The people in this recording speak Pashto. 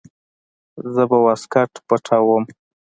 زه به واسکټ پټاووم.